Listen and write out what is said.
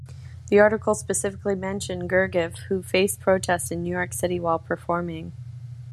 The article specifically mentioned Gergiev, who faced protests in New York City while performing.